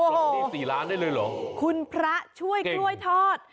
หนี้สี่ล้านได้เลยเหรอคุณพระช่วยกล้วยทอด